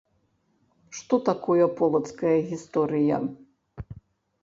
Што такое полацкая гісторыя?